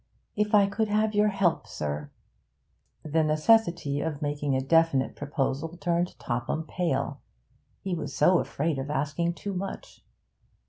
If I could have your help, sir ' The necessity of making a definite proposal turned Topham pale; he was so afraid of asking too much.